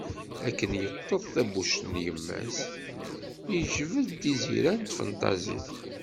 Akken yeṭṭeḍ tabbuct n yemma-s, yejbed iziran n tfenṭazit.